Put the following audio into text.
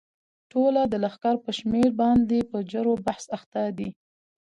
ټوله د لښکر پر شمېر باندې په جرو بحث اخته دي.